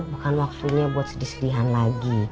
bukan waktunya buat sedih sedihan lagi